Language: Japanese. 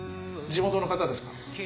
地元の方ですか？